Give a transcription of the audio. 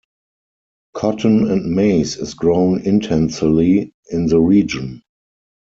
Cotton and maize is grown intensely in the region.